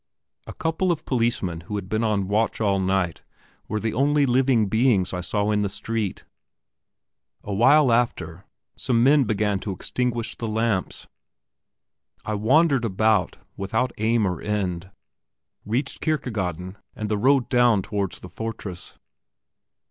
A couple of policemen who had been on watch all night were the only living beings I saw in the street. A while after, some men began to extinguish the lamps. I wandered about without aim or end, reached Kirkegaden and the road down towards the fortress.